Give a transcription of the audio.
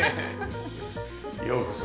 ようこそ。